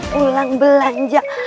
baru pulang belanja